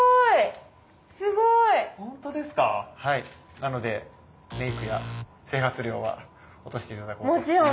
なのでメイクや整髪料は落として頂こうと思います。